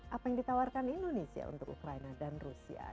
apa yang ditawarkan indonesia untuk ukraina dan rusia